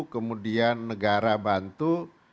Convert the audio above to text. kemudian negara bantu